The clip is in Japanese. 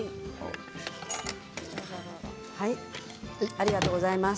ありがとうございます。